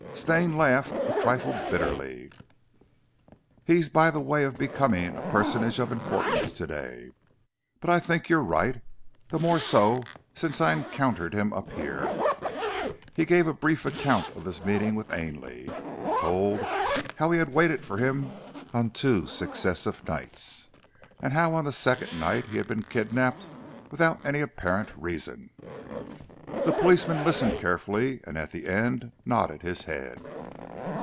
Stane laughed a trifle bitterly. "He's by way of becoming a personage of importance today. But I think you're right, the more so since I encountered him up here." He gave a brief account of his meeting with Ainley, told how he had waited for him on two successive nights, and how on the second night he had been kidnapped without any apparent reason. The policeman listened carefully and at the end nodded his head.